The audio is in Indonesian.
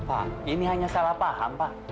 pak ini hanya salah paham pak